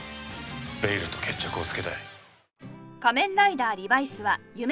ベイルと決着をつけたい。